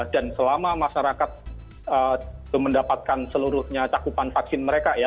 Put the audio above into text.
dan selama masyarakat mendapatkan seluruhnya cakupan vaksin mereka ya